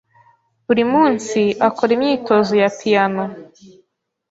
Buri munsi akora imyitozo ya piyano.